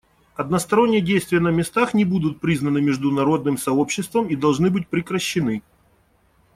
Односторонние действия на местах не будут признаны международным сообществом и должны быть прекращены.